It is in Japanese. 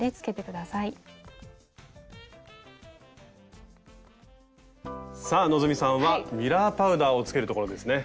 さあ希さんはミラーパウダーをつけるところですね。